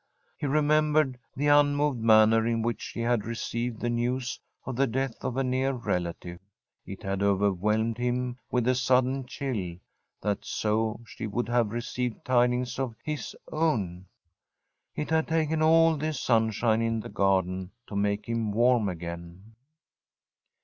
He remembered the unmoved manner in which she had received the news of the death of a near relative. It had overwhelmed him with a sudden chill, that so she would have received tidings of his own. It had taken all the sunshine in the garden to make him warm again.